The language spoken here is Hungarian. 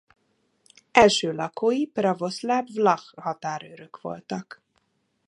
Első lakói pravoszláv vlach határőrök voltak.